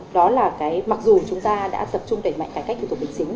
đó là mặc dù chúng ta đã tập trung đẩy mạnh cải cách thủ tục hành chính